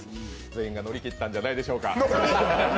全員が乗り切ったんじゃないでしょうか。